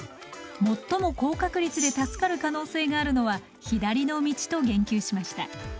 最も高確率で助かる可能性があるのは左の道と言及しました。